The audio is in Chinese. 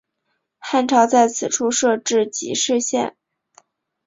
汉朝在此处设置己氏县。